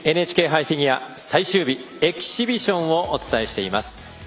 ＮＨＫ杯最終日エキシビションをお伝えしています。